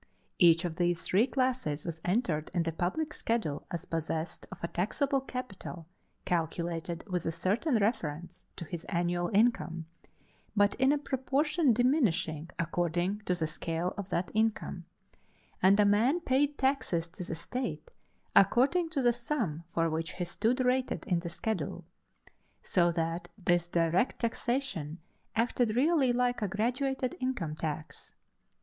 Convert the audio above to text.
Each of these three classes was entered in the public schedule as possessed of a taxable capital calculated with a certain reference to his annual income, but in a proportion diminishing according to the scale of that income and a man paid taxes to the state according to the sum for which he stood rated in the schedule; so that this direct taxation acted really like a graduated income tax.